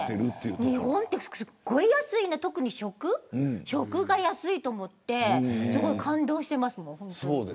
日本はすごく安い特に食が安いと思ってすごい感動してますもん。